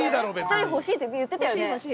チャリ欲しいって言ってたよね？